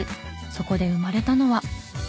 そこで生まれたのは。